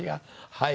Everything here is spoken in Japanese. はい。